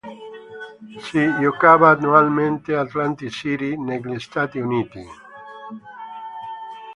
Si giocava annualmente a Atlantic City negli Stati Uniti.